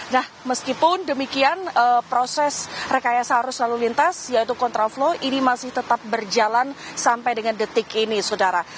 nah meskipun demikian proses rekayasa arus lalu lintas yaitu kontraflow ini masih tetap berjalan sampai dengan detik ini sudara